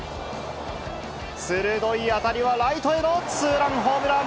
鋭い当たりはライトへのツーランホームラン。